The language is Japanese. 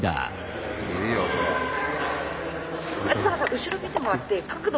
鯵坂さん後ろ見てもらって角度